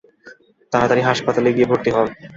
তাড়াতাড়ি হাসপাতালে গিয়ে ভর্তি হন।